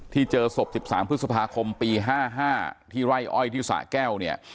เจอศพ๑๓พฤษภาคมปี๕๕ที่ไร่อ้อยที่สะแก้วเนี่ย